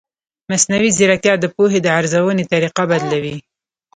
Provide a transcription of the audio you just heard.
مصنوعي ځیرکتیا د پوهې د ارزونې طریقه بدلوي.